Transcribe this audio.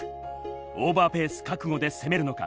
オーバーペース覚悟で攻めるのか。